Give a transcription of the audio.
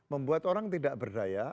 membuat orang tidak berdaya